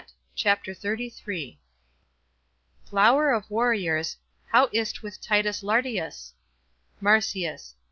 CHAPTER XXXIII — Flower of warriors, How is't with Titus Lartius? MARCIUS.